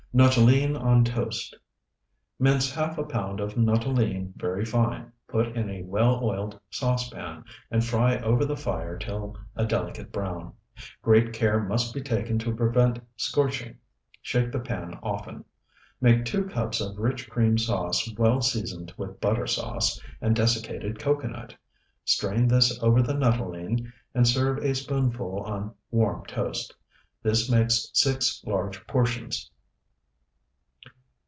NUTTOLENE ON TOAST Mince half a pound of nuttolene very fine, put in a well oiled saucepan, and fry over the fire till a delicate brown. Great care must be taken to prevent scorching; shake the pan often. Make two cups of rich cream sauce well seasoned with butter sauce, and desiccated cocoanut. Strain this over the nuttolene, and serve a spoonful on warm toast. This makes six large portions.